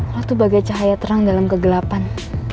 lo tuh bagai cahaya terang dalam kegelapan